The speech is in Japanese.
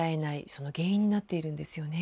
その原因になっているんですよね。